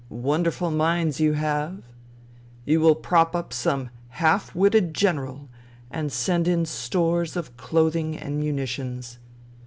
... Wonderfiil minds you have ! You will prop up some half witted general and send in stores of clothing and munitions.